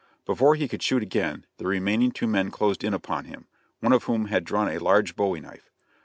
Before he could shoot again the remaining two men closed in upon him, one of whom had drawn a large bowie knife.